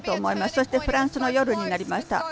そしてフランスの夜になりました。